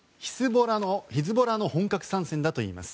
ヒズボラの本格参戦だといいます。